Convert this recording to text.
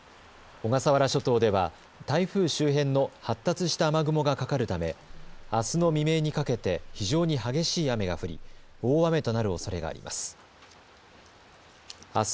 小笠原諸島では台風周辺の発達した雨雲がかかるためあすの未明にかけて非常に激しい雨が降り大雨となるおそれがあります。